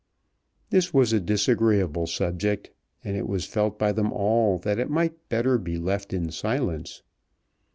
This was a disagreeable subject, and it was felt by them all that it might better be left in silence.